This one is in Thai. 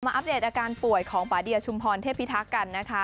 อัปเดตอาการป่วยของปาเดียชุมพรเทพิทักษ์กันนะคะ